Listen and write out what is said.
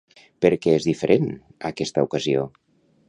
Per què és diferent aquesta ocasió?